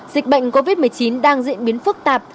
dịch bệnh covid một mươi chín đang diễn biến phức tạp